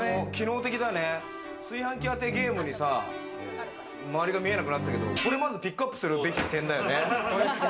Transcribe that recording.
炊飯器当てゲームでさ、周りが見えなくなってたけど、これまずピックアップするべき点だよね。